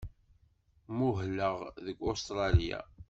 Muhleɣ deg Ustṛalya.